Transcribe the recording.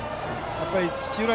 土浦